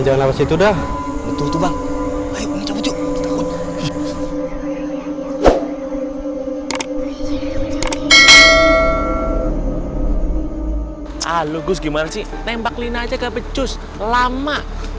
lalu gus gimana sih tembak lina aja ke pecus lama